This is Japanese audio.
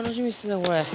これ。